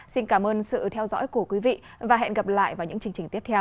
xin cảm ơn sự theo dõi của quý vị và hẹn gặp lại vào những chương trình tiếp theo